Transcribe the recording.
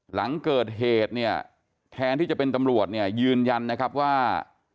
หลังเกิดเหตุเนี่ยแทนที่จะเป็นตำรวจเนี่ยยืนยันนะครับว่า